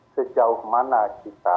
sejauh mana kita